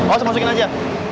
oh saya masukin aja